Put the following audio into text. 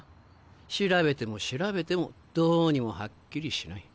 調べても調べてもどうにもはっきりしない。